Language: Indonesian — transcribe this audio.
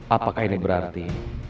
apakah ini berarti